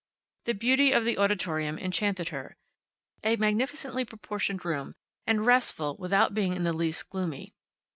The beauty of the auditorium enchanted her a magnificently proportioned room, and restful without being in the least gloomy.